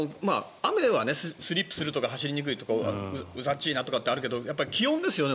雨はスリップするとか走りにくいとかうざっちいとかあるけれど気温ですよね